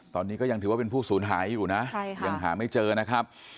ตอนนี้ก็ยังถือว่าเป็นผู้สูญหายอยู่นะยังหาไม่เจอนะครับ